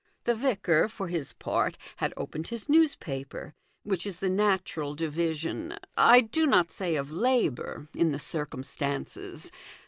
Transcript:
The vicar, for his part, had opened his newspaper, which is the natural division I do not say of labour in the circumstances.